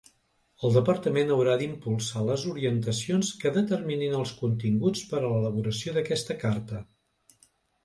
El Departament haurà d'impulsar les orientacions que determinin els continguts per a l'elaboració d'aquesta carta.